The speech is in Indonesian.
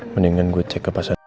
mendingan gue cek ke pasan nusih